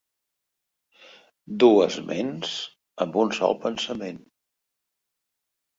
Dues ments amb un sol pensament.